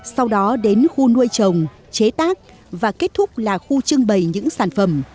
sau đó đến khu nuôi trồng chế tác và kết thúc là khu trưng bày những sản phẩm